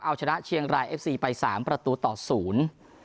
เอาชนะเชียงรายเอฟซีไปสามประตูต่อศูนย์